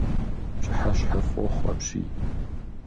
Пщыхьэщхьэфӏохъу апщий!